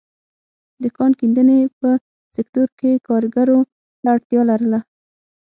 د کان کیندنې په سکتور کې کارګرو ته اړتیا لرله.